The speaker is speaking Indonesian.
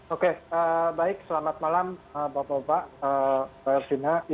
oke baik selamat malam bapak bapak ervina